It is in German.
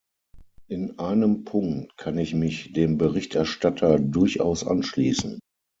In einem Punkt kann ich mich dem Berichterstatter durchaus anschließen.